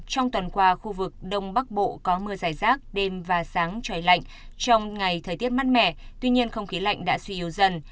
trong tuần qua khu vực đông bắc bộ có mưa giải rác đêm và sáng trời lạnh trong ngày thời tiết mát mẻ tuy nhiên không khí lạnh đã suy yếu dần